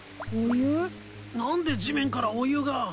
何で地面からお湯が。